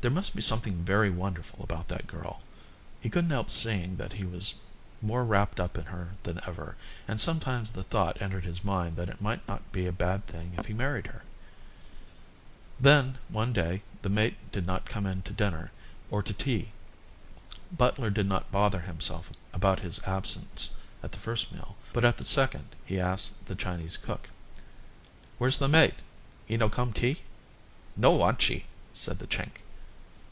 There must be something very wonderful about that girl. He couldn't help seeing that he was more wrapped up in her than ever, and sometimes the thought entered his mind that it might not be a bad thing if he married her. Then, one day the mate did not come in to dinner or to tea. Butler did not bother himself about his absence at the first meal, but at the second he asked the Chinese cook: "Where's the mate? He no come tea?" "No wantchee," said the Chink.